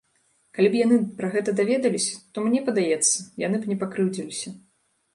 Калі б яны пра гэта даведаліся, то, мне падаецца, яны б не пакрыўдзіліся.